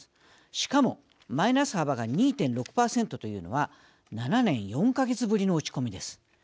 しかも、マイナス幅が２．６％というのは７年４か月ぶりの落ち込みです。